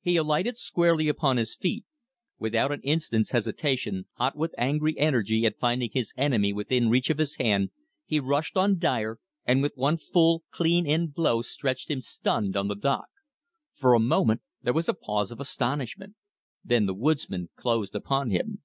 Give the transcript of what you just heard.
He alighted squarely upon his feet. Without an instant's hesitation, hot with angry energy at finding his enemy within reach of his hand, he rushed on Dyer, and with one full, clean in blow stretched him stunned on the dock. For a moment there was a pause of astonishment. Then the woodsmen closed upon him.